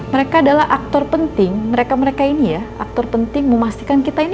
mereka adalah aktor penting mereka mereka ini ya aktor penting memastikan kita ini